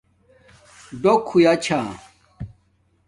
ڈوک ہویا